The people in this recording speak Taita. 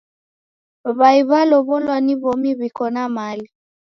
W'ai w'alow'olwa ni w'omi w'iko na mali.